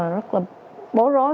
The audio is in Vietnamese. rất là bố rối